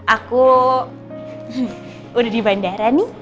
aku udah di bandara nih